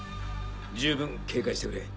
十分警戒してくれ。